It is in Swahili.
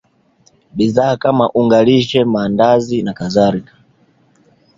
Bidhaa kama unga lishe maandazi NK